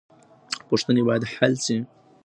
پوښتنې بايد حل سي.